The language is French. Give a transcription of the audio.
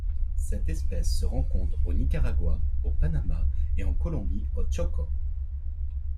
Cette espèce se rencontre au Nicaragua, au Panama et en Colombie au Chocó.